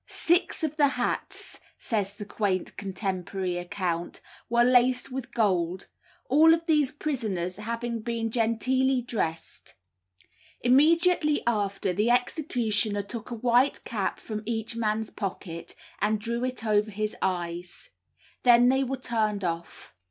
"Six of the hats," says the quaint contemporary account, "were laced with gold, all of these prisoners having been genteelly dressed." Immediately after, the executioner took a white cap from each man's pocket and drew it over his eyes; then they were turned off.